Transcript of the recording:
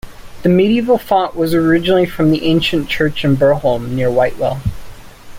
The medieval font was originally from the ancient church at Burholme near Whitewell.